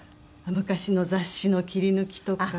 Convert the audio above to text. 昔の雑誌の切り抜きとか。